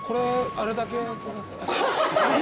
「あるだけ」。